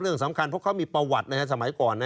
เรื่องสำคัญเพราะเขามีประวัติสมัยก่อน